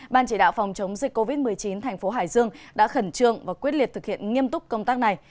ban chỉ đạo phòng chống dịch covid một mươi chín thành phố hải dương đã khẩn trương và quyết liệt thực hiện nghiêm túc công tác này